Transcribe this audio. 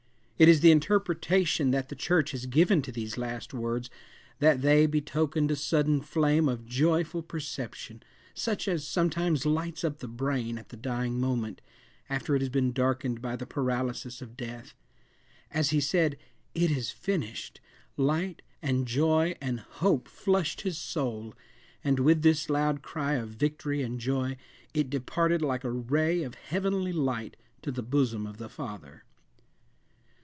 It is the interpretation that the church has given to these last words that they betokened a sudden flame of joyful perception, such as sometimes lights up the brain at the dying moment, after it has been darkened by the paralysis of death. As he said, "It is finished," light, and joy, and hope, flushed his soul, and with this loud cry of victory and joy, it departed like a ray of heavenly light to the bosom of the Father.